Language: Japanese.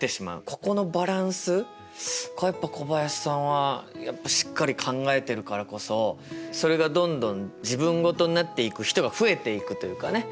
ここのバランスがやっぱ小林さんはしっかり考えてるからこそそれがどんどん自分事になっていく人が増えていくというかね。